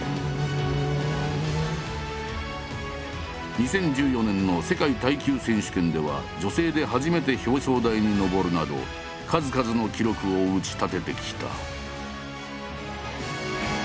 ２０１４年の世界耐久選手権では女性で初めて表彰台にのぼるなど数々の記録を打ち立ててきた。